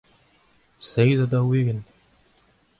seizh ha daou-ugent.